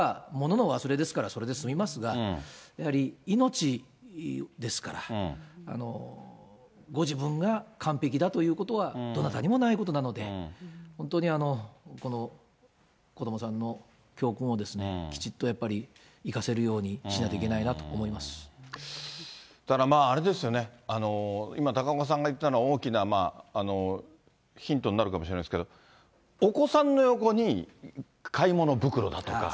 で、私の場合は、ものの忘れですから、それで済みますが、やはり命ですから、ご自分が完璧だということはどなたにもないことなので、本当に、この子どもさんの教訓をきちっとやっぱり、生かせるようにしないだからまああれですよね、今、高岡さんが言ってたのは、大きなヒントになるかもしれないですけど、お子さんの横に買い物袋だとか。